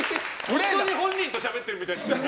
本当に本人としゃべってるみたいになる。